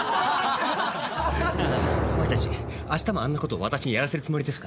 お前たちあしたもあんなことを私にやらせるつもりですか？